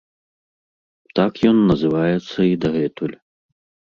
Так ён называецца і дагэтуль.